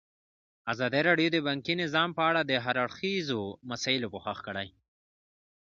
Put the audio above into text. ازادي راډیو د بانکي نظام په اړه د هر اړخیزو مسایلو پوښښ کړی.